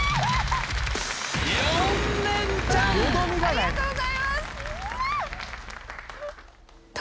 ありがとうございます。